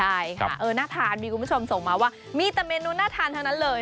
ใช่ค่ะเออน่าทานมีคุณผู้ชมส่งมาว่ามีแต่เมนูน่าทานทั้งนั้นเลย